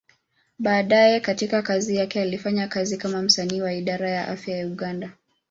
Baadaye katika kazi yake, alifanya kazi kama msanii wa Idara ya Afya ya Uganda.